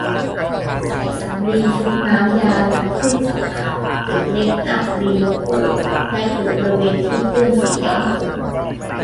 ใช้สำลีชุบน้ำยาล้างเครื่องสำอางหรือเมคอัพรีมูฟเวอร์ และถูบริเวณที่เปื้อนสีย้อมผม